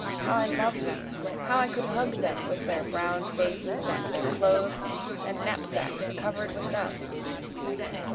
How I love them! how I could hug them, with their brown faces and their clothes and knapsacks cover'd with dust!)